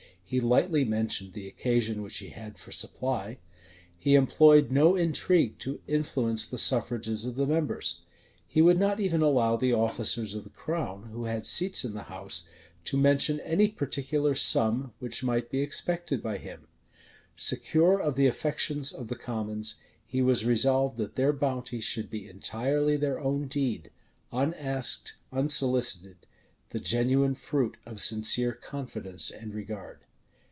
He lightly mentioned the occasion which he had for supply.[*] He employed no intrigue to influence the suffrages of the members. He would not even allow the officers of the crown, who had seats in the house, to mention any particular sum which might be expected by him Secure of the affections of the commons, he was resolved that their bounty should be entirely their own deed; unasked, unsolicited; the genuine fruit of sincere confidence and regard.